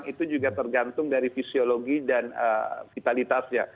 itu juga tergantung dari fisiologi dan vitalitasnya